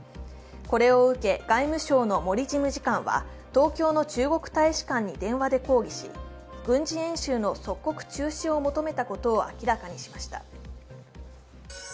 これを受け、外務省の森事務次官は東京の中国大使館に電話で抗議し軍事演習の即刻中止を求めたことを明らかにしました。